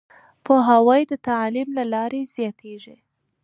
پوهاوی د تعليم له لارې زياتېږي.